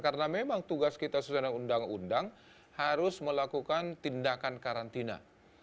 karena memang tugas kita sesuai dengan undang undang harus melakukan tindakan karantina